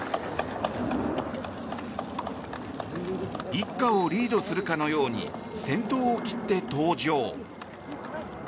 一家をリードするかのように先頭を切って登場。